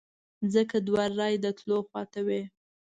ځکه دوه رایې د تلو خواته وې.